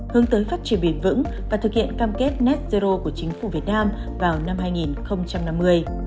hướng tới phát triển bền vững và thực hiện cam kết net zero của chính phủ việt nam vào năm hai nghìn năm mươi